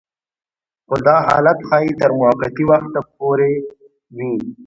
خو دا حالت ښايي تر موقتي وخته پورې وي